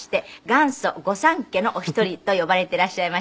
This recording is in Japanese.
元祖御三家のお一人と呼ばれていらっしゃいまして。